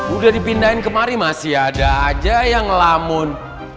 udah dipindahin kemari masih ada aja yang lamun